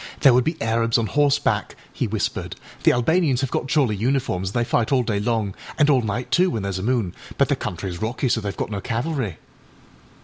âThere would be Arabs on horseback,â he whispered; âthe Albanians have got jolly uniforms, and they fight all day long, and all night, too, when thereâs a moon, but the countryâs rocky, so theyâve got no cavalry.